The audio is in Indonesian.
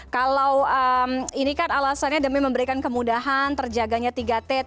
kalau ini kan alasannya demi memberikan kemudahan terjaganya tiga t